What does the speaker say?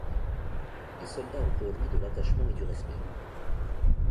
Les soldats ont pour lui de l'attachement et du respect.